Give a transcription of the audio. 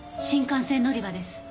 新幹線乗り場です。